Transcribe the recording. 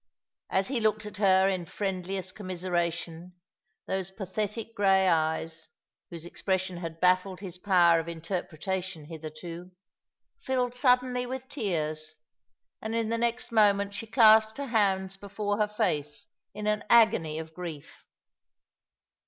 As he looked at her in friendliest commiseration those pathetio grey eyes — whose expression had baffled his power of in terpretation hitherto— filled suddenly with tears, and in the next moment she clasped her hands before her face in an agony of grief.